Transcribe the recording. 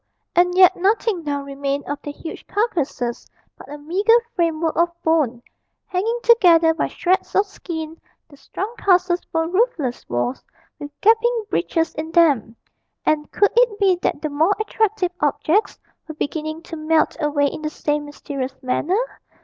and yet nothing now remained of the huge carcases but a meagre framework of bone, hanging together by shreds of skin; the strong castles were roofless walls with gaping breaches in them; and could it be that the more attractive objects were beginning to melt away in the same mysterious manner?